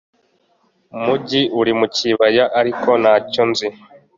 Umujyi uri mu kibaya ariko ntacyo nzi